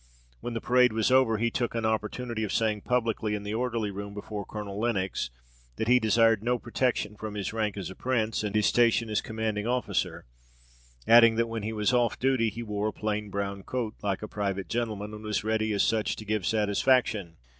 When parade was over, he took an opportunity of saying publicly in the orderly room before Colonel Lenox, that he desired no protection from his rank as a prince and his station as commanding officer; adding that, when he was off duty he wore a plain brown coat like a private gentleman, and was ready as such to give satisfaction.